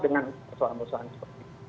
itu persoalan persoalan seperti itu